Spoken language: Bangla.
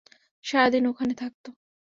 সারাদিন ওখানে থাকত।